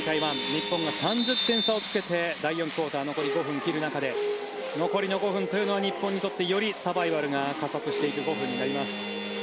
日本が３０点差をつけて第４クオーター残り５分を切る中で残りの５分というのは日本にとってよりサバイバルが加速していく５分になります。